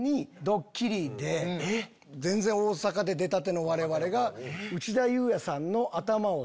全然大阪で出たてのわれわれが。